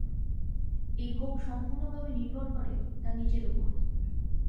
এই ভোগ সম্পূর্ণভাবে নির্ভর করে তার নিজের উপরে।